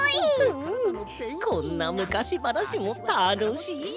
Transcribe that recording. うんこんなむかしばなしもたのしい。